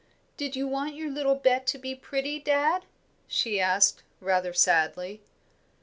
"Did you want your little Bet to be pretty, dad?" she asked, rather sadly.